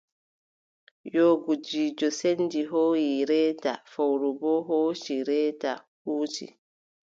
Yoo gudiijo senndi hooyi reeta fowru boo hooci reete huuci.